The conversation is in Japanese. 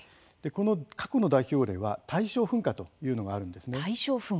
この過去の代表例は大正噴火というのがあるんですね。